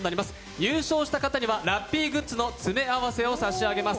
優勝した方にはラッピーグッズの詰め合わせをプレゼントします。